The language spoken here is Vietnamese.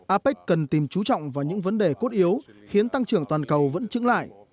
apec cần tìm chú trọng vào những vấn đề cốt yếu khiến tăng trưởng toàn cầu vẫn trứng lại